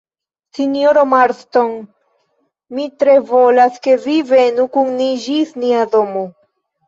Sinjoro Marston, mi tre volas, ke vi venu kun ni ĝis nia domo.